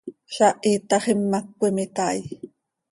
Zaah iitax imac cöimitai.